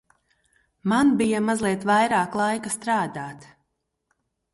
Man bija mazliet vairāk laika strādāt.